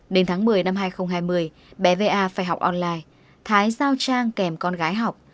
đến tháng một mươi năm hai nghìn hai mươi bé a phải học online thái giao trang kèm con gái học